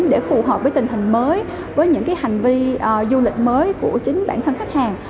để phù hợp với tình hình mới với những hành vi du lịch mới của chính bản thân khách hàng